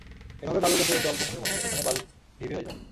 এভাবে বালু জমতে জমতে অল্পক্ষণের মধ্যে সেখানে বালুর টিবি হয়ে যায়।